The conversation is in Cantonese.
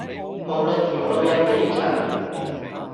無論條路有幾長